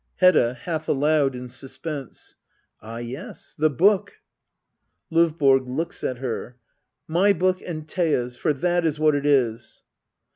Hedda. [Half akud, in suspense.'] Ah yes — the book ! LovBORa. [Looks at her.] My book and Thea's ; for that is what it is.